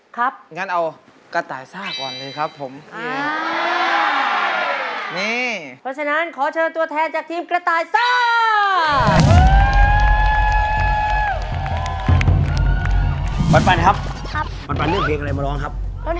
และที่สำคัญครับเพลงนี้ต้องมีท่าเต้นด้วยนะครับ